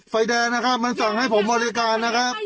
ไฟแดงนะครับมันสั่งให้ผมบริการนะครับ